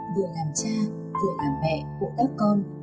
vừa làm cha vừa làm mẹ của các con